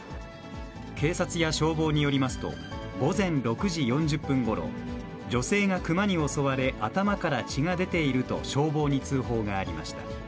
警察や消防によりますと、午前６時４０分ごろ、女性がクマに襲われ、頭から血が出ていると消防に通報がありました。